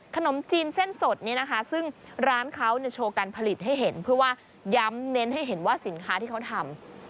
ขนมจีนเส้นสดนี้นะคะซึ่งร้านเขาโชว์การผลิตให้เห็นเพื่อว่าย้ำเน้นให้เห็นว่าสินค้าที่เขาทำ